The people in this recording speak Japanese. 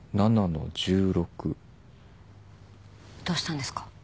「５１−７−１６」どうしたんですか？